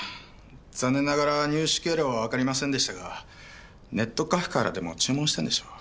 残念ながら入手経路はわかりませんでしたがネットカフェからでも注文したんでしょう。